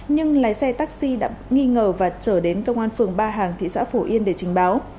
nhưng lái xe taxi đã nghi ngờ và trở đến công an phường ba hàng thị xã phổ yên để trình báo